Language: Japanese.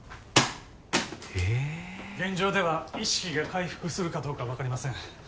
ええ現状では意識が回復するかどうか分かりません